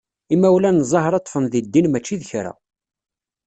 Imawlan n Zahra ṭṭfen di ddin mačči d kra.